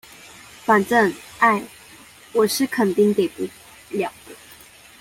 反正，愛，我是肯定給不了的